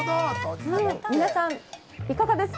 皆さん、いかがですか。